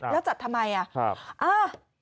แล้วจัดทำไมอ่ะ